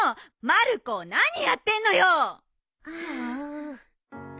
まる子何やってんのよ！